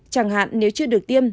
chẳng hạn nếu chưa được tiêm